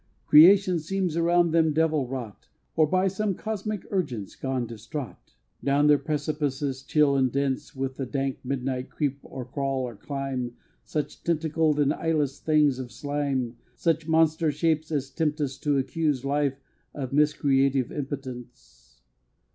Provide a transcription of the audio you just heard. Creation seems around them devil wrought, Or by some cosmic urgence gone distraught. Adown their precipices chill and dense With the dank midnight creep or crawl or climb Such tentacled and eyeless things of slime, Such monster shapes as tempt us to accuse Life of a miscreative impotence.